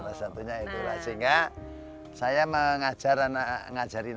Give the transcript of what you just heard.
salah satu salah satu salah satu salah satu salah satunya itu sehingga saya mengajarkan ngajarin